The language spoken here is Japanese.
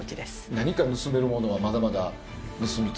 何か盗めるものはまだまだ盗みつつ。